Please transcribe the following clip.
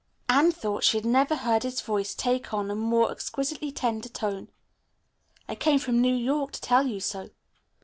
Anne thought she had never heard his voice take on a more exquisitely tender tone. "I came from New York to tell you so."